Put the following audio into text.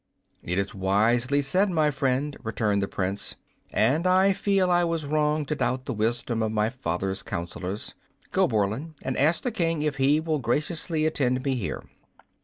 "It is wisely said, my friend," returned the Prince, "and I feel I was wrong to doubt the wisdom of my father's councilors. Go, Borland, and ask the King if he will graciously attend me here."